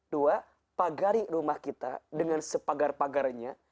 dua pagari rumah kita dengan sepagar pagarnya